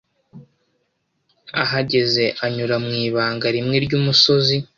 Ahageze anyura mu ibanga rimwe ry umusozi